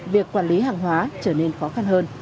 việc quản lý hàng hóa trở nên khó khăn hơn